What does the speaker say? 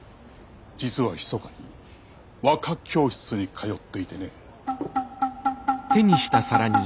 実はひそかに和歌教室に通っていてね。